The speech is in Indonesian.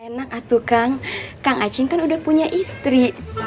enak aduh kang kang acing kan udah punya istri